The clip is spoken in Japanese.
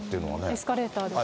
エスカレーターですね。